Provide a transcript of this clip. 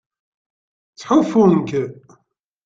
Ttḥufun-k.